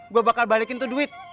gue bakal balikin tuh duit